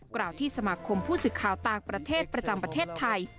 กล่าวที่สมาคมผู้สื่อข่าวต่างประเทศประจำประเทศไทย